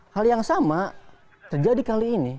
hal yang sama terjadi kali ini